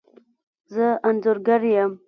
زه انځورګر یم